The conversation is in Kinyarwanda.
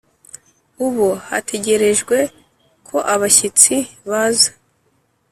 ubu hategerejwe ko abashyitsi baza.